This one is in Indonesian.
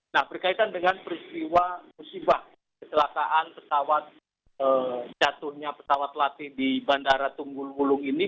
nah berkaitan dengan peristiwa musibah kecelakaan pesawat jatuhnya pesawat latih di bandara tunggul wulung ini